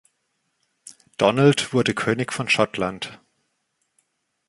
Donald wurde König von Schottland.